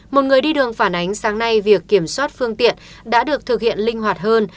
một người đi đường phản ánh sáng nay việc kiểm soát phương tiện đã được thực hiện linh hoạt hơn